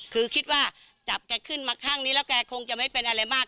คือคิดว่าจับแกขึ้นมาข้างนี้แล้วแกคงจะไม่เป็นอะไรมาก